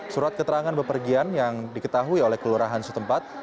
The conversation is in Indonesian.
surat keterangan bepergian yang diketahui oleh kelurahan setempat